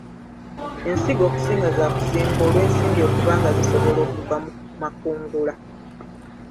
Ensigo okusinga za kusimba olw'ensimbi okuba nga zisobola okuva mu makungula.